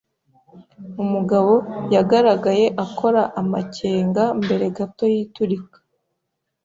Umugabo yagaragaye akora amakenga mbere gato y’iturika.